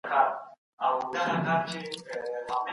وخت ضايع مه کوئ.